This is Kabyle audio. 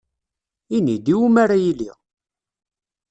Ini-d, iwumi ara iliɣ?